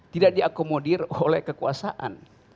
tidak diakomodir oleh kekuasaan